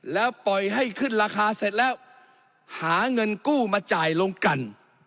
แล้วปล่อยให้ขึ้นราคาเสร็จแล้วหาเงินกู้มาจ่ายลงกัน